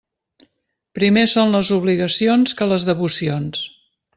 Primer són les obligacions que les devocions.